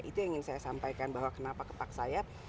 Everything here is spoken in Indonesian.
itu yang ingin saya sampaikan bahwa kenapa kepaksayap